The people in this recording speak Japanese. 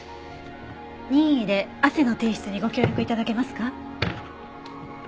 任意で汗の提出にご協力頂けますか？